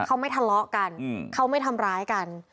เขาไม่ทะเลาะกันเขาไม่ทำร้ายกัน